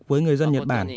với người dân nhật bản